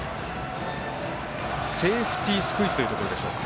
セーフティースクイズというところでしょうか。